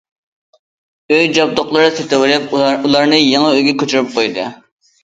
ئۆي جابدۇقلىرى سېتىۋېلىپ، ئۇلارنى يېڭى ئۆيگە كۆچۈرۈپ قويدى.